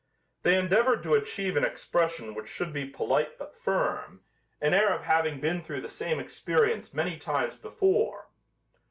They endeavored to achieve an expression which should be polite but firm, an air of having been through the same experience many times before.